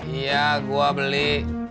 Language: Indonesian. iya gue beli